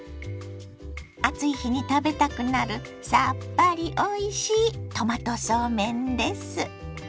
暑い日に食べたくなるさっぱりおいしいトマトそうめんです。